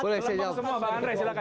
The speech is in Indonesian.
boleh saya jawab semua bang ray silahkan